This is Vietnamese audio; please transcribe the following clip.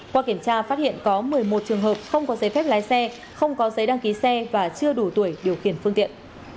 qua kiểm tra phát hiện có một mươi một trường hợp không có giấy phép lái xe không có giấy đăng ký xe và chưa đủ tuổi điều khiển phương tiện